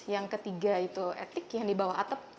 yang ketiga itu etik yang di bawah atap